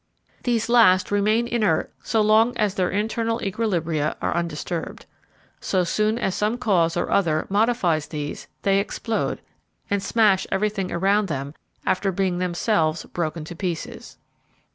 These last remain inert so long as their internal equilibria are undisturbed. So soon as some cause or other modifies these, they explode and smash everything around them after being themselves broken to pieces.